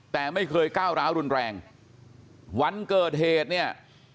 แต่ไม่เคยก้าวร้าวรุนแรงวันเกิดเหตุเนี่ย